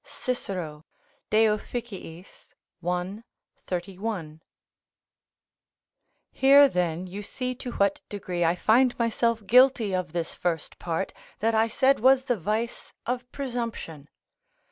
Cicero, De Of., i. 31.] Here, then, you see to what degree I find myself guilty of this first part, that I said was the vice of presumption.